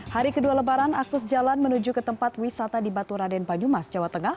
hari kedua lebaran akses jalan menuju ke tempat wisata di baturaden banyumas jawa tengah